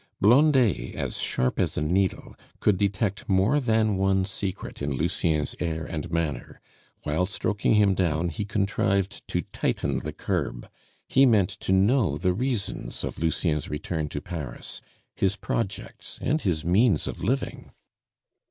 Blondet, as sharp as a needle, could detect more than one secret in Lucien's air and manner; while stroking him down, he contrived to tighten the curb. He meant to know the reasons of Lucien's return to Paris, his projects, and his means of living.